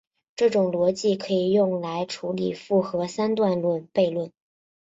这种逻辑可以用来处理复合三段论悖论。